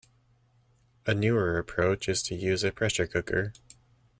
A newer approach is to use a pressure cooker.